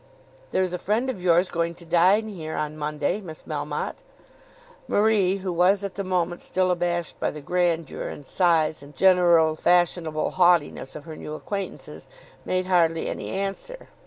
"There is a friend of yours going to dine here on Monday, Miss Melmotte." Marie, who was at the moment still abashed by the grandeur and size and general fashionable haughtiness of her new acquaintances, made hardly any answer.